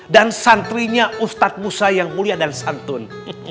dan santrinya ustaz musa yang mulia dan santun